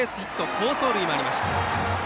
好走塁もありました。